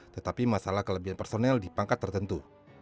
tetapi masalah kelebihan personel di pangkat tertentu